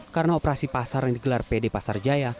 karena operasi pasar yang digelar pd pasar jaya